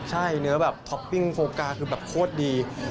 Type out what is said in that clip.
ใช่เนื้อแบบท็อปปิ้งโฟกาคือแบบโคตรดี